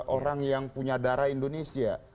orang yang punya darah indonesia